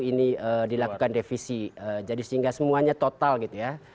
ini dilakukan devisi jadi sehingga semuanya total gitu ya